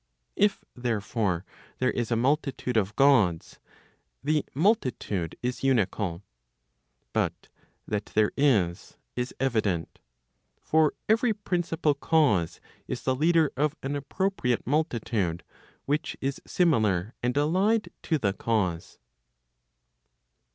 If therefore, there is a multitude of Gods, the multitude is unical. But that there is, is evident. For every princi¬ pal cause is the leader of an appropriate multitude which is similar and allied to the cause.